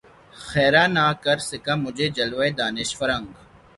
خیرہ نہ کر سکا مجھے جلوۂ دانش فرنگ